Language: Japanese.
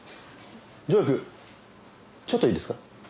助役ちょっといいですか？